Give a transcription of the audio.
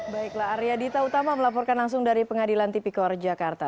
baiklah arya dita utama melaporkan langsung dari pengadilan tipikor jakarta